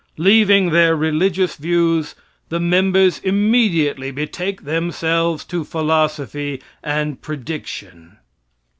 Leaving their religious views, the members immediately betake themselves to philosophy and prediction.